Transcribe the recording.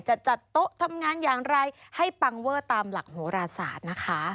จะจัดโต๊ะทำงานอย่างไรให้ปังเวอร์ตามหลักโหราศาสตร์นะคะ